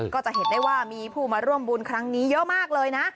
ก็จะเห็นได้ว่ามีผู้มาร่วมบุญครั้งนี้เยอะมากเลยนะ